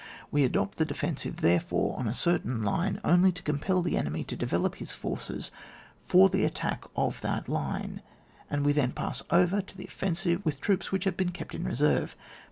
We adopt the defensive therefore on a certain line only to compel the enemy to develop his forces for the attack of that line, and we then pass over to the offensive with troops which have been kept in reserve.